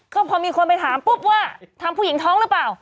ก็พอมีคนไปถามปุ๊บว่าทำผู้หญิงท้องหรือเปล่า